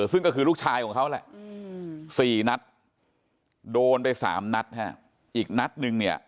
ซึ่งก็คือลูกชายของเขาแหละ๔นัดโดนไป๓นัดอีกนัดนึงเนี่ย